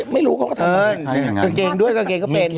ไม่รู้ก็ทำไม่ได้จังเกงด้วยจังเกงก็เป็น